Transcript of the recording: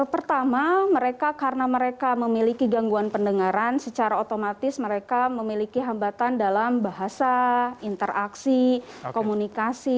pertama mereka karena mereka memiliki gangguan pendengaran secara otomatis mereka memiliki hambatan dalam bahasa interaksi komunikasi